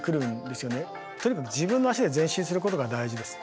とにかく自分の足で前進することが大事です。